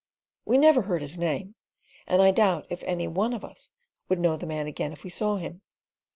We never heard his name, and I doubt if any one of us would know the man again if we saw him.